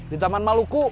di taman maluku